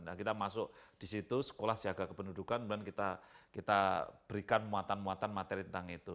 nah kita masuk di situ sekolah siaga kependudukan kemudian kita berikan muatan muatan materi tentang itu